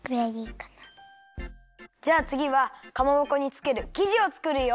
じゃあつぎはかまぼこにつけるきじをつくるよ！